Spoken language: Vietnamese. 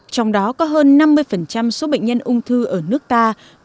trong đó có hơn năm mươi số bệnh nhân ung thư ở nước ta